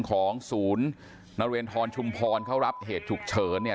ของศูนย์นเรนทรชุมพรเขารับเหตุฉุกเฉินเนี่ย